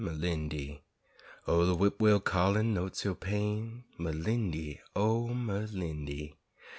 Merlindy! O, de whip' will callin' notes ur pain Merlindy, O, Merlindy!